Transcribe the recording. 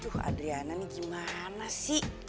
tuh adriana nih gimana sih